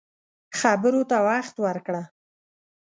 خبرو ته وخت ورکړه